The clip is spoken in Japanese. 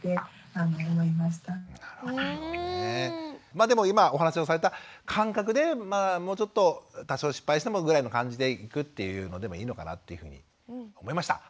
まあでも今お話をされた感覚でもうちょっと多少失敗してもぐらいの感じでいくっていうのでもいいのかなというふうに思いました。